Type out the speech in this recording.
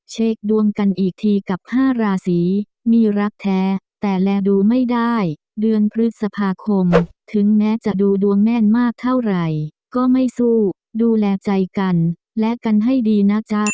เช็คดวงกันอีกทีกับ๕ราศีมีรักแท้แต่แลดูไม่ได้เดือนพฤษภาคมถึงแม้จะดูดวงแน่นมากเท่าไหร่ก็ไม่สู้ดูแลใจกันและกันให้ดีนะจ๊ะ